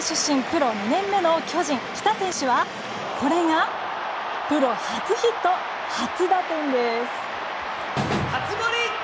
プロ２年目の巨人、喜多選手はこれがプロ初ヒット、初打点です。